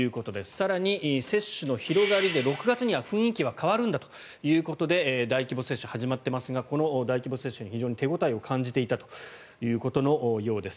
更に、接種の広がりで６月には雰囲気は変わるんだということで大規模接種が始まっていますがこの大規模接種に非常に手応えを感じていたということのようです。